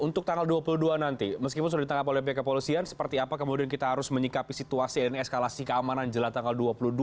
untuk tanggal dua puluh dua nanti meskipun sudah ditangkap oleh pihak kepolisian seperti apa kemudian kita harus menyikapi situasi dan eskalasi keamanan jelang tanggal dua puluh dua